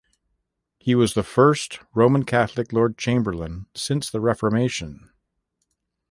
He was the first Roman Catholic Lord Chamberlain since the Reformation.